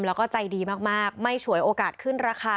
แล้วก็ใจดีมากไม่ฉวยโอกาสขึ้นราคา